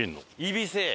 いびせぇ。